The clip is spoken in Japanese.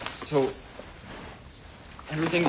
そう。